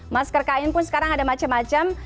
masker kain pun sekarang ada macam macam